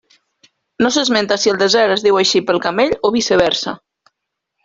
No s'esmenta si el desert es diu així pel camell o viceversa.